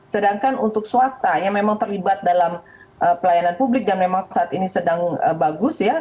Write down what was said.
sedangkan untuk swasta yang memang terlibat dalam pelayanan publik yang memang saat ini sedang bagus ya